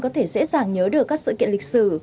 có thể dễ dàng nhớ được các sự kiện lịch sử